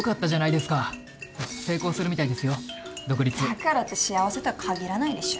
だからって幸せとは限らないでしょ。